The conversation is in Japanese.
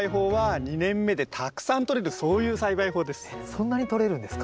そんなにとれるんですか？